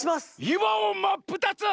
いわをまっぷたつ！？